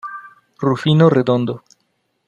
Rufino Redondo